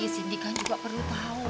sindi kan juga perlu tahu